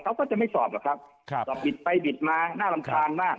เขาก็จะไม่สอบหรอกครับสอบบิดไปบิดมาน่ารำคาญมาก